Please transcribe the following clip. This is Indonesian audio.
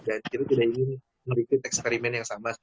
dan kita tidak ingin meriksa eksperimen yang sama